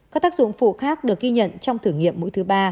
các tác dụng phụ khác được ghi nhận trong thử nghiệm mũi thứ ba